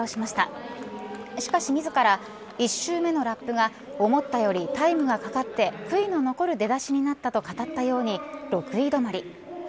しかし自ら１周目のラップが思ったよりタイムがかかって悔いの残る出だしになったと語ったように６位止まり